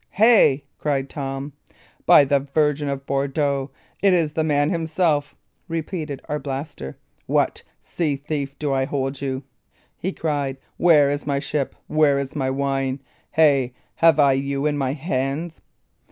"Hey!" cried Tom. "By the Virgin of Bordeaux, it is the man himself!" repeated Arblaster. "What, sea thief, do I hold you?" he cried. "Where is my ship? Where is my wine? Hey! have I you in my hands?